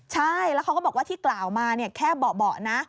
ใช่แล้วเขาก็บอกว่าที่กล่าวมาแค่เบาะนะ